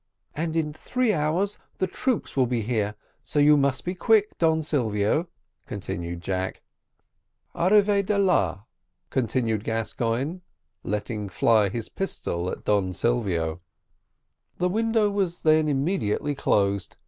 "And in three hours the troops will be here, so you must be quick, Don Silvio," continued Jack. "A reveder la," continued Gascoigne, letting fly his pistol at Don Silvio. The window was then immediately closed.